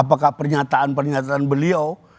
apakah pernyataan pernyataan beliau